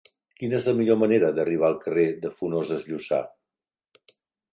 Quina és la millor manera d'arribar al carrer de Funoses Llussà?